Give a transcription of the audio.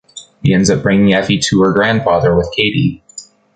He ends up bringing Effy to her grandfather, with Katie.